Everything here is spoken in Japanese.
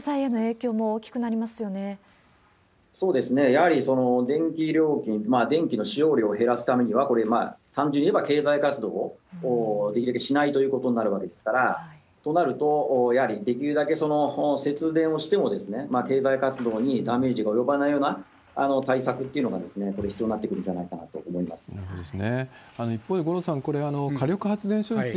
やはり電気料金、電気の使用量を減らすためには、これ、単純に言えば経済活動をできるだけしないということになりますから、となると、やはりできるだけ節電をしても、経済活動にダメージが及ばないような対策というのも、これ、必要になってくるんじゃないかなと思います。